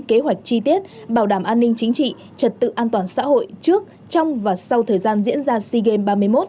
kỹ kế hoạch chi tiết bảo đảm an ninh chính trị trật tự an toàn xã hội trước trong và sau thời gian diễn ra sigem ba mươi một